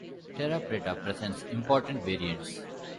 Terra preta presents important variants.